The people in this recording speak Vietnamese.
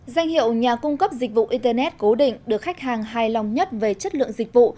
danh hiệu nhà cung cấp dịch vụ internet cố định được khách hàng hài lòng nhất về chất lượng dịch vụ